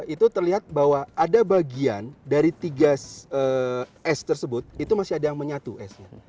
itu terlihat bahwa ada bagian dari tiga es tersebut itu masih ada yang menyatu esnya